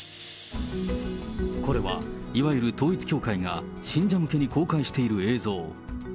これは、いわゆる統一教会が信者向けに公開している映像。